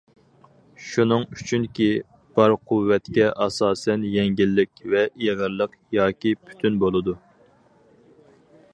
شۇنىڭ ئۈچۈنكى، بار قۇۋۋەتكە ئاساسەن يەڭگىللىك ۋە ئېغىرلىق ياكى پۈتۈن بولىدۇ.